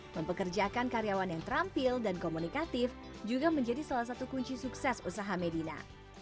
mempekerjakan karyawan yang terampil dan komunikatif juga menjadi salah satu kunci sukses usaha medina